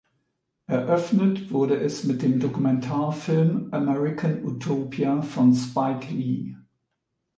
Eröffnet wurde es mit dem Dokumentarfilm "American Utopia" von Spike Lee.